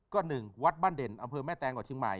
ก็๑วัดบ้านเด่นอำเภอแม่แตงกว่าเชียงใหม่